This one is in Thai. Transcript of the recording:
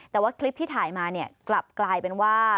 แต่ว่าคลิปที่ถ่ายมาเนี่ยกลับกลายเป็นว่า